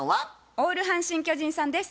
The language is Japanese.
オール阪神・巨人さんです。